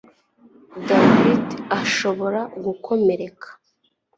David ashobora gukomereka